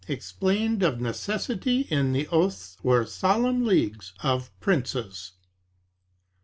EXPLAINED OF NECESSITY, IN THE OATHS OR SOLEMN LEAGUES OF PRINCES.